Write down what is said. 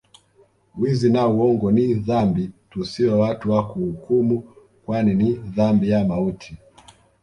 Wizi na uongo ni dhambi tusiwe watu wa kuhukumu kwani ni dhambi ya mauti